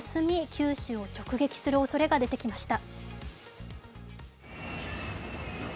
九州を直撃するおそれが出てきました。